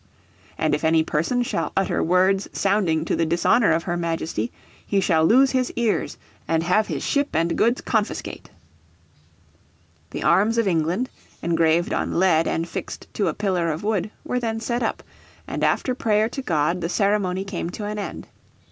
"And if any person shall utter words sounding to the dishonour of her Majesty, he shall lose his ears, and have his ship and goods confiscated." The arms of England, engraved on lead and fixed to a pillar of wood, were then set up, and after prayer to God the ceremony came to an end.